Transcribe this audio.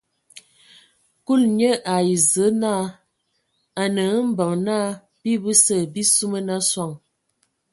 Kulu nye ai Zǝə naa: A nǝ hm mbeŋ naa bii bəse bii suman a soŋ.